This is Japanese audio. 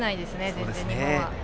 全然、日本は。